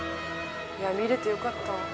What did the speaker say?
見れてよかった。